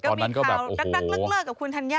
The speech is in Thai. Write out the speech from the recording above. ก็มีข่าวรักเลิกกับคุณธัญญา